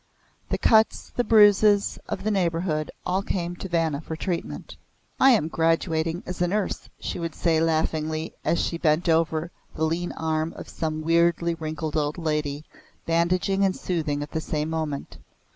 The cuts, the bruises of the neighbourhood all came to Vanna for treatment. "I am graduating as a nurse," she would say laughing as she bent over the lean arm of some weirdly wrinkled old lady, bandaging and soothing at the same moment.